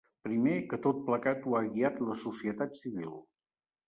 Primer, que tot plegat ho ha guiat la societat civil.